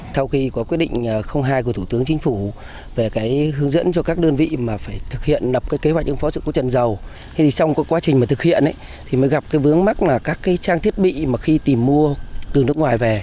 sau khi có quyết định hai của thủ tướng chính phủ về hướng dẫn cho các đơn vị mà phải thực hiện đập kế hoạch ứng phó sự cố tràn dầu thì trong quá trình thực hiện mới gặp vướng mắt các trang thiết bị khi tìm mua từ nước ngoài về